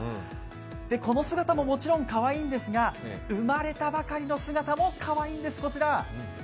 この姿ももちろんかわいいんですが生まれたばかりの姿もかわいいんです、こちら！